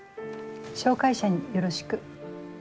紹介者によろしく。